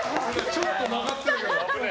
ちょっと曲がってたけど。